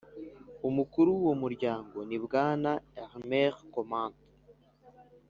umukuru w uwo muryango ni Bwana Elmer Komant